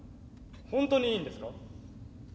本当にいいんですか？